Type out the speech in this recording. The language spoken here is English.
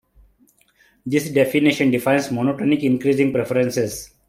This definition defines monotonic increasing preferences.